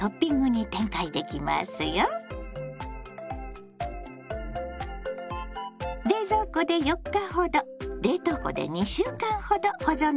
冷蔵庫で４日ほど冷凍庫で２週間ほど保存できますよ。